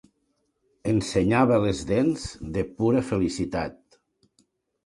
Ensenyava les dents de pura felicitat.